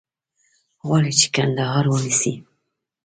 غواړي چې کندهار ونیسي.